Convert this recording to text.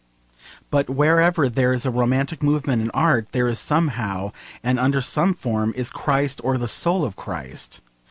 But wherever there is a romantic movement in art there somehow, and under some form, is Christ, or the soul of Christ.